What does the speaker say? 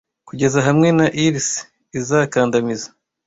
Kugeza hamwe na Ills izakandamiza,